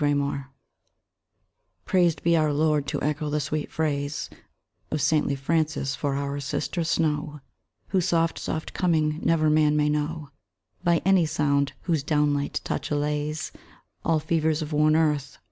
SISTER SNOW Praised be our Lord (to echo the sweet phrase Of saintly Francis) for our sister Snow: Whose soft, soft coming never man may know By any sound; whose down light touch allays All fevers of worn earth.